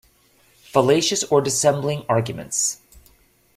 Fallacious or dissembling arguments.